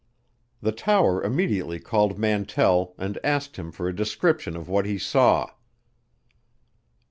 The tower immediately called Mantell and asked him for a description of what he saw.